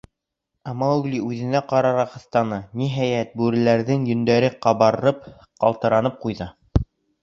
Ә Маугли үҙенә ҡарарға ҡыҫтаны, ниһайәт, бүреләрҙең йөндәре ҡабарып, ҡалтыранып ҡуйҙы.